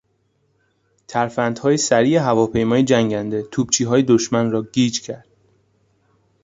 ترفندهای سریع هواپیمای جنگنده توپچیهای دشمن را گیج کرد.